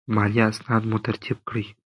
مالي اسناد مو ترتیب کړئ.